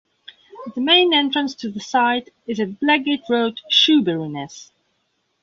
The main entrance to the site is at Blackgate Road, Shoeburyness.